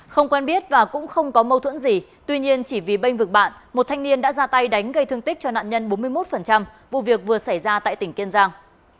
không quen biết và cũng không có mâu thuẫn gì tuy nhiên chỉ vì bênh vực bạn một thanh niên đã ra tay đánh gây thương tích cho nạn nhân bốn mươi một vụ việc vừa xảy ra tại tỉnh kiên giang